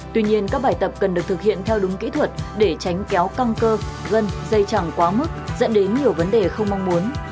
tuy nhiên các bài tập cần được thực hiện theo đúng kỹ thuật để tránh kéo căng cơ gân dây chẳng quá mức dẫn đến nhiều vấn đề không mong muốn